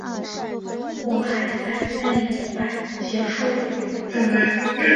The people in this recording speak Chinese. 我们还在，但也快结束了